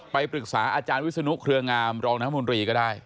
ไปปรึกษาอาจารย์วิศนุเครืองามรองน้ำมนตรีก็ได้